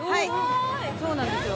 ◆そうなんですよ。